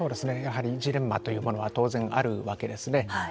やはりジレンマというものは当然あるわけですね。